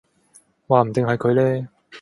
話唔定係佢呢